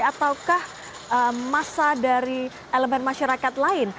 ataukah masa dari elemen masyarakat lain